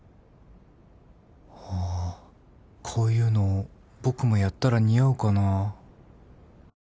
あーこういうの僕もやったら似合うかな